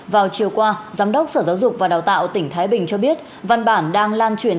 vào chiều qua giám đốc sở giáo dục và đào tạo tỉnh thái bình cho biết văn bản đang lan truyền